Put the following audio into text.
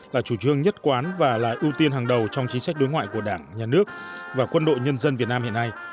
là chủ trương nhất quán và là ưu tiên hàng đầu trong chính sách đối ngoại của đảng nhà nước và quân đội nhân dân việt nam hiện nay